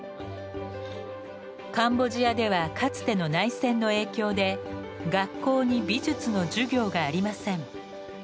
カンボジアではかつての内戦の影響で学校に美術の授業がありません。